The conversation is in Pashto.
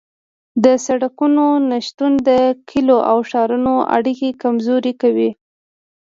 د سرکونو نشتون د کلیو او ښارونو اړیکې کمزورې کوي